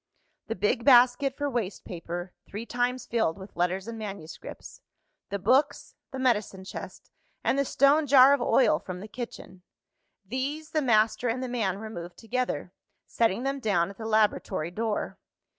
The big basket for waste paper, three times filled with letters and manuscripts; the books; the medicine chest; and the stone jar of oil from the kitchen these, the master and the man removed together; setting them down at the laboratory door.